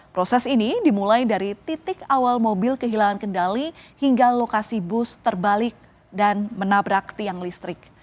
proses ini dimulai dari titik awal mobil kehilangan kendali hingga lokasi bus terbalik dan menabrak tiang listrik